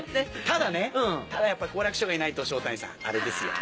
ただねただやっぱり好楽師匠がいないと昇太兄さんあれですよ。